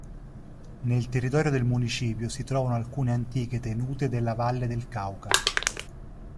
Nel territorio del municipio si trovano alcune antiche tenute della Valle del Cauca.